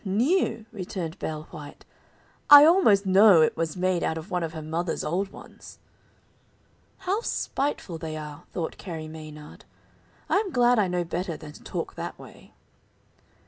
"New!" returned Belle White, "I almost know it was made out of one of her mother's old ones." "How spiteful they are," thought Carrie Maynard; "I am glad I know better than to talk that way.